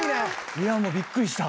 いやもうびっくりした。